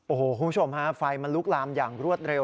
โอ้โหคุณผู้ชมฮะไฟมันลุกลามอย่างรวดเร็ว